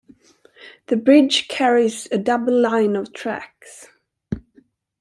The bridge carries a double line of tracks.